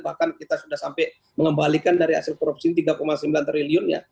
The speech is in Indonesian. bahkan kita sudah sampai mengembalikan dari hasil korupsi tiga sembilan triliun ya